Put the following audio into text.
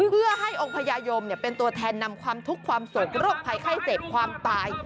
เพื่อให้องค์พญายมเป็นตัวแทนนำความทุกข์ความสุขโรคภัยไข้เจ็บความตาย